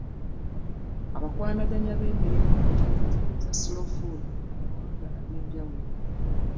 Abakwanaganya b’emirimu mu nteekateeka za 'Slow Food' mu mawanga agenjawulo.